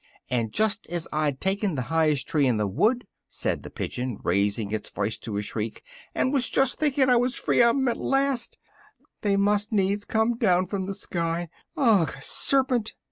"And just as I'd taken the highest tree in the wood," said the pigeon raising its voice to a shriek, "and was just thinking I was free of 'em at last, they must needs come down from the sky! Ugh! Serpent!"